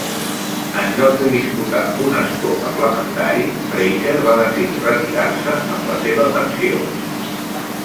En lloc de disputar un escó parlamentari, Fraser va decidir retirar-se amb la seva pensió.